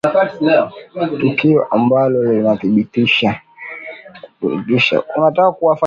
tukio ambalo linathibitisha kutikisika kwa serikali ya umoja nchini humo